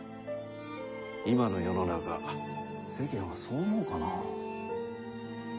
今の世の中世間はそう思うかな？